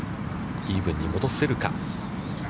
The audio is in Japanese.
イーブンに戻せるか。